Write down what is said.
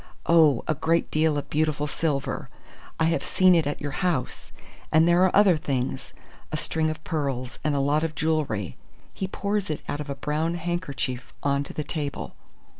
Oh, a great deal of beautiful silver! I have seen it at your house. And there are other things a string of pearls and a lot of jewellery. He pours it out of a brown handkerchief on to the table.